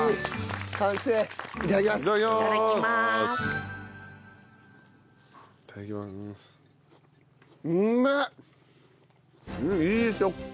いい食感。